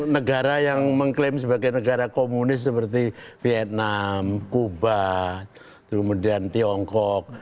negara yang mengklaim sebagai negara komunis seperti vietnam kuba kemudian tiongkok